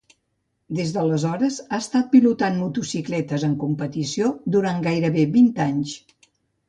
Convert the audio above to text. Des d'aleshores ha estat pilotant motocicletes en competició durant gairebé vint anys.